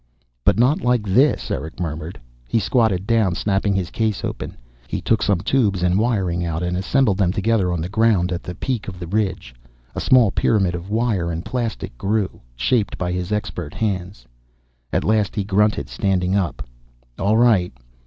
"But not like this," Erick murmured. He squatted down, snapping his case open. He took some tubes and wiring out and assembled them together on the ground, at the peak of the ridge. A small pyramid of wire and plastic grew, shaped by his expert hands. At last he grunted, standing up. "All right."